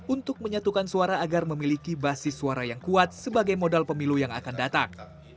untuk menyatukan suara agar memiliki basis suara yang kuat sebagai modal pemilu yang akan datang